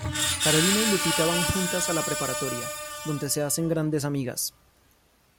Carolina y Lupita van juntas a la preparatoria, donde se hacen grandes amigas.